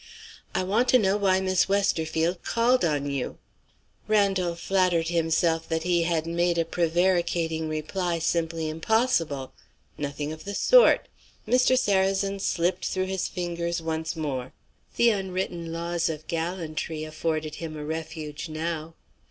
"I want to know why Miss Westerfield called on you?" Randal flattered himself that he had made a prevaricating reply simply impossible. Nothing of the sort! Mr. Sarrazin slipped through his fingers once more. The unwritten laws of gallantry afforded him a refuge now.